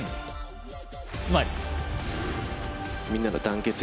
つまり。